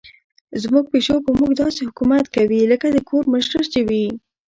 زموږ پیشو په موږ داسې حکومت کوي لکه د کور مشره چې وي.